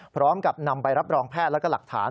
พร้อมกับนำใบรับรองแพทย์แล้วก็หลักฐาน